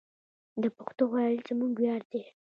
د پښتو ویل زموږ ویاړ دی.